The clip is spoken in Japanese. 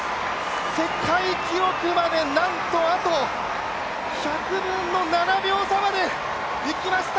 世界記録までなんとあと１００分の７秒差までいきました。